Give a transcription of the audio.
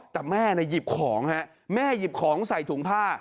แต่แม่หยิบของฮะแม่หยิบของใส่ถุงผ้า